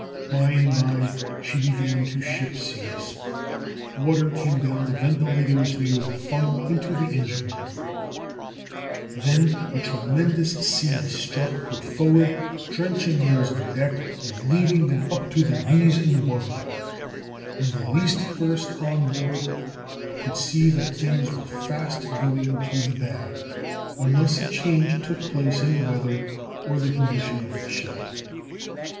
By and by she began to ship seas. Water came down the ventilators near the funnel into the engine room. [Illustration: FIG. 27. The Agamemnon Storm: Coals Adrift.] Then a tremendous sea struck her forward, drenching those on deck, and leaving them up to their knees in water, and the least versed on board could see that things were fast going to the bad unless a change took place in the weather or the condition of the ship.